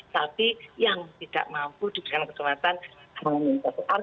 tapi yang tidak mampu diberikan kesempatan hal min satu